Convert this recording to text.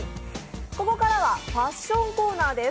ここからはファッションコーナーです。